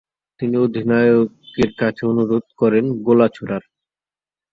তিনি অধিনায়কের কাছে অনুরোধ করেন গোলা ছোড়ার।